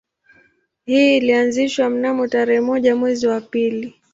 Hii ilianzishwa mnamo tarehe moja mwezi wa pili